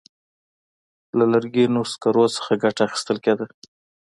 له لرګینو سکرو څخه ګټه اخیستل کېده.